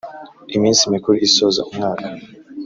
iminsi mikuru isoza umwaka